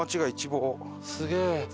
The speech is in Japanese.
すげえ！